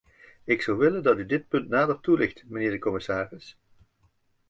Ik zou willen dat u dit punt nader toelicht, mijnheer de commissaris.